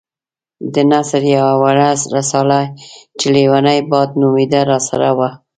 د نثر يوه وړه رساله چې ليونی باد نومېده راسره وه.